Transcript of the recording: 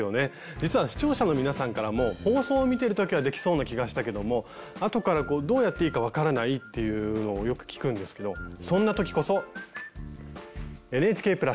実は視聴者の皆さんからも放送を見てる時はできそうな気がしたけども後からどうやっていいか分からないっていうのをよく聞くんですけどそんな時こそ「ＮＨＫ＋」！